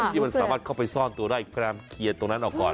ที่มันเข้าไปซ่อนตัวกันแปลงเคลียร์ตรงนั้นออกก่อน